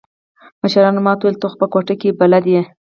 مشرانو ما ته وويل ته خو په کوټه کښې بلد يې.